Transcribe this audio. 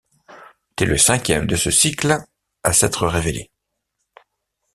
t'es le cinquième de ce cycle à s'être révélé.